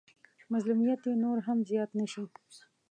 مظلوميت يې نور هم زيات نه شي.